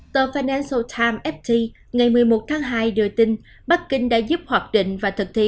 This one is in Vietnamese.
tờ financial times ft ngày một mươi một tháng hai đưa tin bắc kinh đã giúp hoạt định và thực thi